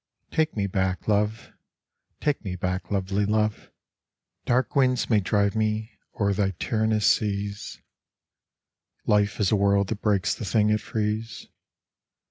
Take me back, Love; take me back, lovely Love. Dark winds may drive me o'er thy tyrannous seas Life is a world that breaks the thing it frees.